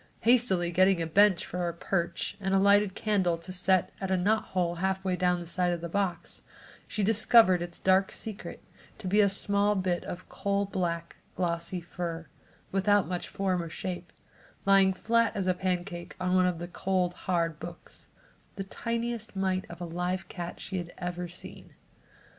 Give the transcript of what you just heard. Hastily getting a bench for a perch and a lighted candle to set at a knot hole half way down the side of the box, she discovered its dark secret to be a small bit of coal black glossy fur, without much form or shape, lying flat as a pancake on one of the cold hard books; the tiniest mite of a live cat she had ever seen.